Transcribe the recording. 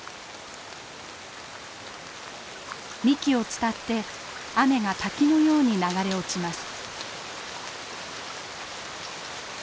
幹を伝って雨が滝のように流れ落ちます。